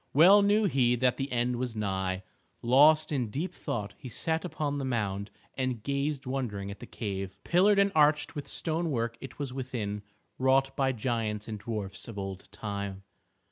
Well knew he that the end was nigh. Lost in deep thought he sat upon the mound and gazed wondering at the cave. Pillared and arched with stone work it was within, wrought by giants and dwarfs of old time.